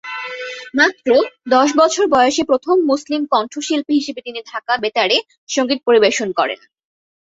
মাত্র দশ বছর বয়সে প্রথম মুসলিম কণ্ঠশিল্পী হিসেবে তিনি ঢাকা বেতারে সঙ্গীত পরিবেশন করেন।